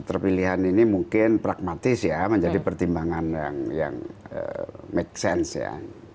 keterpilihan ini mungkin pragmatis ya menjadi pertimbangan yang make sense ya